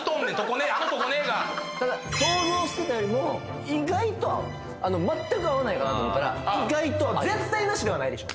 姉あのトコ姉がただ想像してたよりも意外と合う全く合わないかなと思ったら意外と絶対なしではないでしょ？